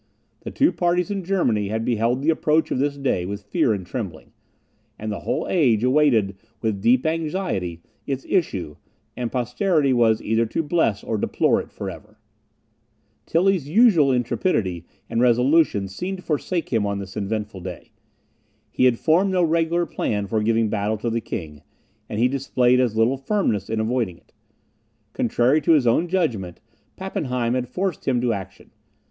The two parties in Germany had beheld the approach of this day with fear and trembling; and the whole age awaited with deep anxiety its issue, and posterity was either to bless or deplore it for ever. Tilly's usual intrepidity and resolution seemed to forsake him on this eventful day. He had formed no regular plan for giving battle to the King, and he displayed as little firmness in avoiding it. Contrary to his own judgment, Pappenheim had forced him to action.